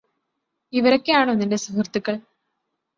ഇവരൊക്കെയാണോ നിന്റെ സുഹൃത്തുക്കൾ